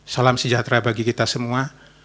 salam sejahtera bagi kita semua